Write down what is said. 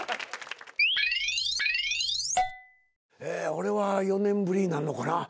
俺は４年ぶりになんのかな？